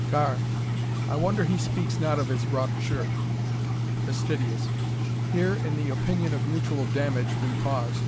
"Car. I wonder he speaks not of his wrought shirt. "Fast. Here, in the opinion of mutual damage, we paused.